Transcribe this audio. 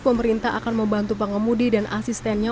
pemerintah akan membantu pengemudi dan asistennya